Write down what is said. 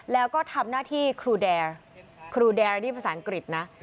แล้วก็ทำหน้าที่ครูเดอร์ครูเดอร์อย่างนี้ภาษาอังกฤษนะ